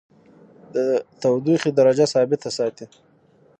د تودیخي درجه ثابته ساتي.